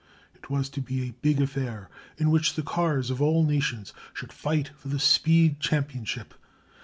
It was to be a big affair, in which the cars of all nations should fight for the speed championship.